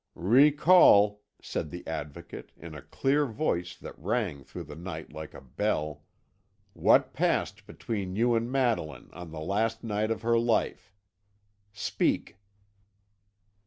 "Recall," said the Advocate, in a clear voice that rang through the night like a bell, "what passed between you and Madeline on the last night of her life. Speak!"